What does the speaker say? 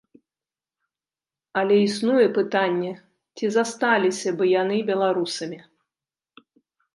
Але існуе пытанне, ці засталіся б яны беларусамі?